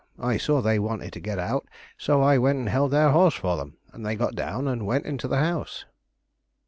I saw they wanted to get out, so I went and held their horse for them, and they got down and went into the house."